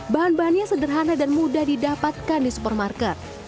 bahan bahannya sederhana dan mudah didapatkan di supermarket